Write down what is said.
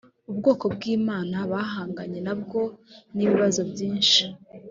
ubwoko bw’imana bahanganye nabwo, n’ibibazo byinshi